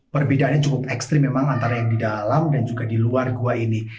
perbedaannya cukup ekstrim memang antara yang di dalam dan juga di luar gua ini